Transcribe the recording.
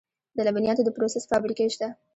د لبنیاتو د پروسس فابریکې شته